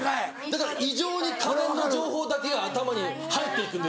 だから異常に家電の情報だけが頭に入っていくんですよ。